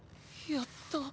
やった。